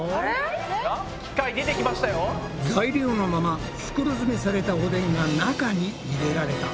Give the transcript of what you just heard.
材料のまま袋詰めされたおでんが中に入れられた。